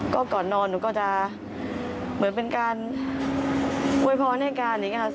ก็ก่อนนอนหนูก็จะเหมือนเป็นการเว้ยพร้อมให้กัน